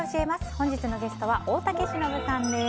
本日のゲストは大竹しのぶさんです。